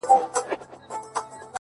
زړه مي ورېږدېدی ـ